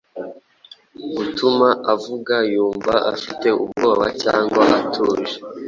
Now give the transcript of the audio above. gutuma uvuga yumva afite ubwoba cyangwa atuje